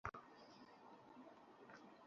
বিমানযাত্রা উপভোগ করুন।